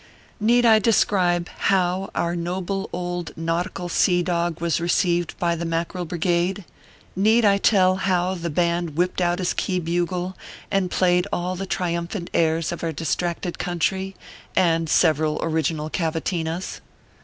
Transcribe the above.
Need I describe how our noble old nautical sea dog was received by the Mackerel Brigade ? need I tell how the band whipped out his key bugle and played all the triumphant airs of our distracted country, and several original cavatinas